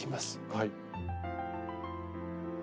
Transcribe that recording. はい。